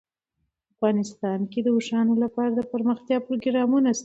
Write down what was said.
افغانستان کې د اوښانو لپاره دپرمختیا پروګرامونه شته.